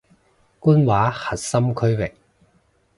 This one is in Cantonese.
官話核心區域